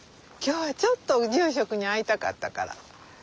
今日はちょっと住職に会いたかったから。